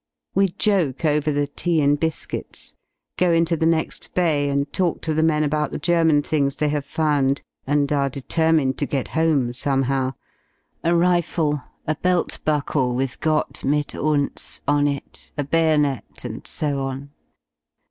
•^ We joke over the tea and biscuits, go into the next bay and talk to the men about the German things they have ^"^_ found and are determined to get home somehow — a rifle, a belt buckle with "Gott mit uns" on it, a bayonet, and so on.